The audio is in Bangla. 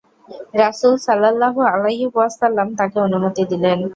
রাসূল সাল্লাল্লাহু আলাইহি ওয়াসাল্লাম তাকে অনুমতি দিলেন।